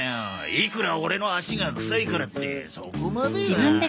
いくらオレの足がくさいからってそこまでは。